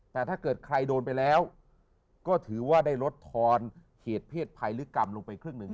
แต่ถ้าเกิดใครโดนไปแล้วก็ถือว่าได้ลดทอนเหตุเพศภัยหรือกรรมลงไปครึ่งหนึ่ง